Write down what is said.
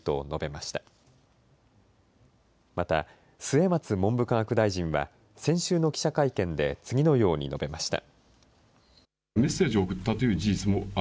また末松文部科学大臣は先週の記者会見で次のように述べました。